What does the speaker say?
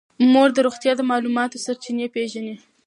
مور د روغتیا د معلوماتو سرچینې پېژني.